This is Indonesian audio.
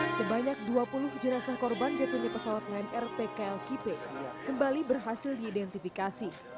sebanyak dua puluh jenazah korban jatuhnya pesawat lain rpklkp kembali berhasil diidentifikasi